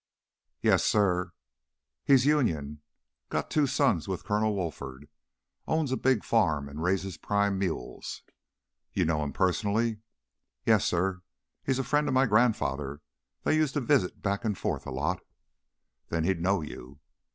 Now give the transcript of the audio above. "Yes, suh. He's Union got two sons with Colonel Wolford. Owns a big farm and raises prime mules " "You know him personally?" "Yes, suh. He's a friend of my grandfather; they used to visit back and forth a lot." "Then he'd know you."